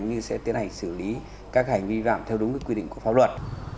như sẽ tiến hành xử lý các hành vi vi phạm theo đúng quy định của pháp luật